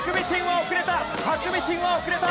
ハクビシンは遅れた！